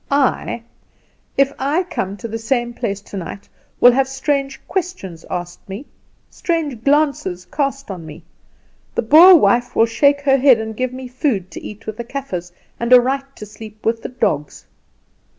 I, if I come to the same place tonight, will have strange questions asked me, strange glances cast on me. The Boer wife will shake her head and give me food to eat with the Kaffers, and a right to sleep with the dogs.